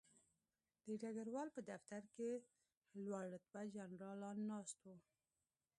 د ډګروال په دفتر کې لوړ رتبه جنرالان ناست وو